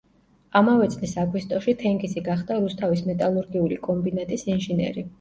ამავე წლის აგვისტოში თენგიზი გახდა რუსთავის მეტალურგიული კომბინატის ინჟინერი.